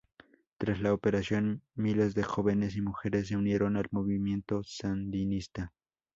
Tras la operación, miles de jóvenes y mujeres se unieron al movimiento sandinista.